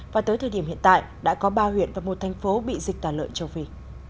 và tới thời điểm hiện tại đã có ba huyện và một thành phố bị dịch tả lợn châu phi